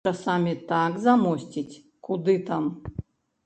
Часамі так замосціць, куды там!